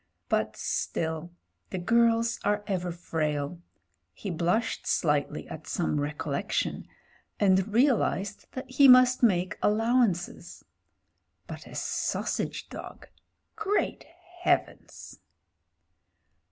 But — still, the girls are ever frail. He blushed slightly at some recollecticn, and realised that he must make allowances. But a sausage dog! Great Heavens!